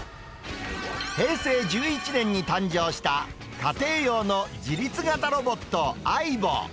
平成１１年に誕生した家庭用の自律型ロボット、ＡＩＢＯ。